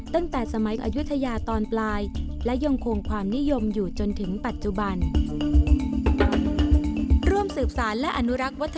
ตั้งแต่สมัยอายุทยาตอนปลายและยังคงความนิยมอยู่จนถึงปัจจุบัน